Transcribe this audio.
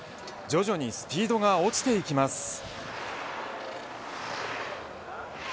徐々にスピードが落ちていきます。